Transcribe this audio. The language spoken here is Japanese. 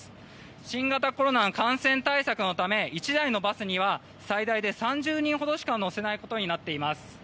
新型コロナの感染対策のため１台のバスには最大で３０人ほどしか乗せないことになっています。